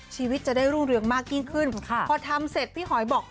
ชีวิตจะได้รุ่งเรืองมากยิ่งขึ้นพอทำเสร็จพี่หอยบอก